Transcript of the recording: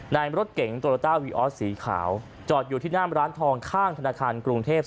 ในรถเก๋งโตโลต้าวีออสสีขาวจอดอยู่ที่หน้ามร้านทองข้างธนาคารกรุงเทพ